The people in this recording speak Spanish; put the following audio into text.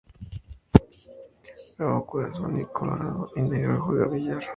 Grabó "Corazón", "Colorado y Negro" y "Juega Billar".